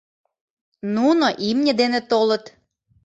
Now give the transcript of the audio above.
Нуно имне дене толыт.